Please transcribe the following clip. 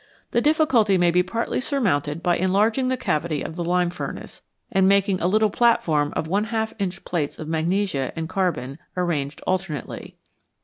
The difficulty may be partly surmounted 198 HIGH TEMPERATURES by enlarging the cavity of the lime furnace, and making a little platform of ^ inch plates of magnesia and carbon, arranged alternately.